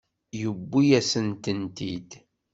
Yewwi-yasen-tent-id.